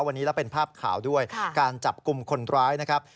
วันนี้แล้วเป็นภาพข่าวด้วยการจับกลุ่มคนร้ายนะครับ